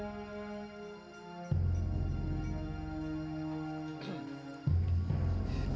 terima kasih pak